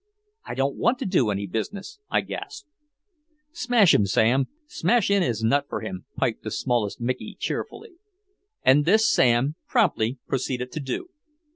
"I don't want to do any business," I gasped. "Smash him, Sam smash in his nut for him," piped the smallest Micky cheerfully. And this Sam promptly proceeded to do.